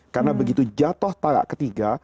karena begitu jatuh talak ketiga